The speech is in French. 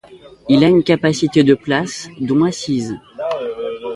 Il a une capacité de places dont assises.